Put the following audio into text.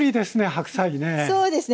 白菜ね。